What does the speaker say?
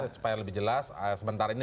supaya lebih jelas sebentar ini